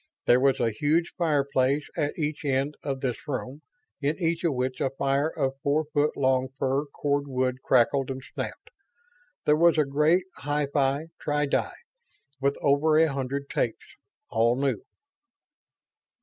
There was a huge fireplace at each end of this room, in each of which a fire of four foot long fir cordwood crackled and snapped. There was a great hi fi tri di, with over a hundred tapes, all new.